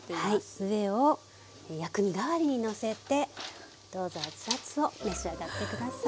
上を薬味代わりにのせてどうぞ熱々を召し上がって下さい。